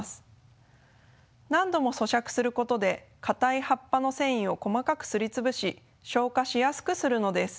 何度もそしゃくすることで硬い葉っぱの繊維を細かくすり潰し消化しやすくするのです。